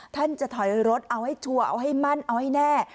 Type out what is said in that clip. ท่านจะถอยรถเอาให้ชัวร์เอาให้มั่นเอาให้แน่